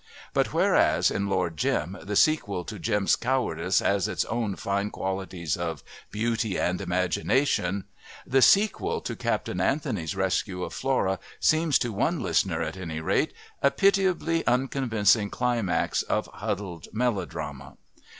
But whereas in Lord Jim the sequel to Jim's cowardice has its own fine qualities of beauty and imagination, the sequel to Captain Anthony's rescue of Flora seems to one listener at any rate a pitiably unconvincing climax of huddled melodrama.